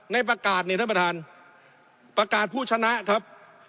ในประกาศเนี่ยท่านประธานประกาศผู้ชนะครับ